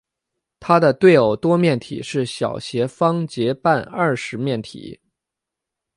它的对偶多面体是小斜方截半二十面体。